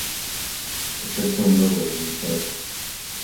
Очекујем добре резултате.